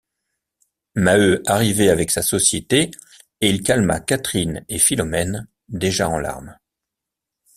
Maheu arrivait avec sa société, et il calma Catherine et Philomène, déjà en larmes.